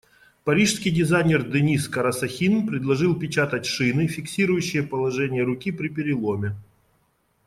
Парижский дизайнер Дениз Карасахин предложил печатать шины, фиксирующие положение руки при переломе.